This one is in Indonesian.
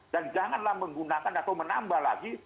dan janganlah menggunakan atau menambah lagi